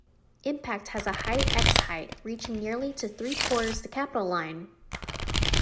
Impact has a high x-height, reaching nearly to three-quarters the capital line.